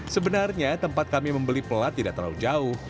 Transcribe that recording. sebenarnya tempat kami membeli pelat tidak terlalu jauh